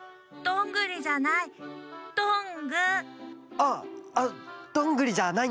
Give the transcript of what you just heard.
あっあどんぐりじゃないんだね。